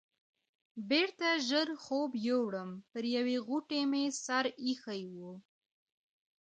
بېرته ژر خوب یووړم، پر یوې غوټې مې سر ایښی و.